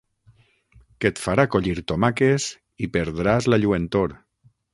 ...que et farà collir tomaques i perdràs la lluentor.